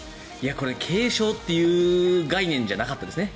これ、軽症という概念じゃなかったですね